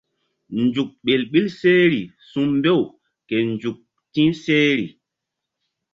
Nzuk ɓel ɓil sehri su̧mbew ke nzuk ti̧h sehri.